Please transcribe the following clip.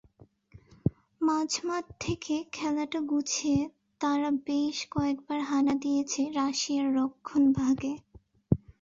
মাঝমাঠ থেকে খেলাটা গুছিয়ে তারা বেশ কয়েকবার হানা দিয়েছে রাশিয়ার রক্ষণভাগে।